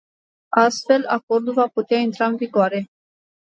Astfel, acordul va putea intra în vigoare.